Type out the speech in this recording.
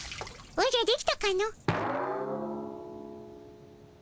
おじゃできたかの。